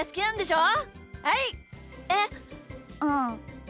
えっうん。